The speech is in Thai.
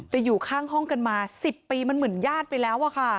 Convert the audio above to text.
แต่อยู่ข้างห้องกันมา๑๐ปีมันเหมือนญาติไปแล้วอะค่ะ